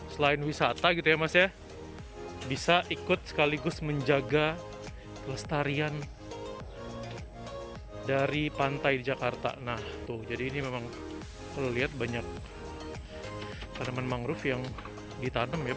selain wisata gitu ya mas ya bisa ikut sekaligus menjaga kelestarian dari pantai jakarta thoughts jadi memang perlu melihat banyak tanaman mangrove yang ditanam